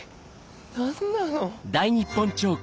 何なの？